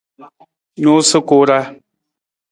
Nuusa ku ra.